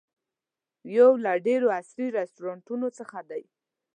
یو له ډېرو عصري رسټورانټونو څخه دی.